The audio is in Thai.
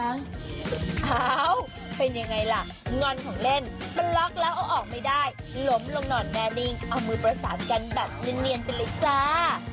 อ้าวเป็นยังไงล่ะงอนของเล่นมันล็อกแล้วเอาออกไม่ได้ล้มลงนอนแน่นิ่งเอามือประสานกันแบบเนียนไปเลยจ้า